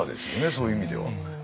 そういう意味では。